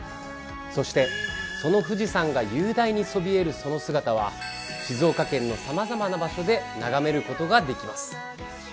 そしてその富士山が雄大にそびえるその姿は静岡県の様々な場所で眺める事ができます。